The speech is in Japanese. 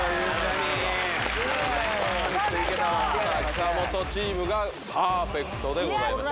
久本チームがパーフェクトでございます。